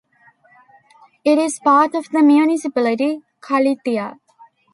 It is part of the municipality Kallithea.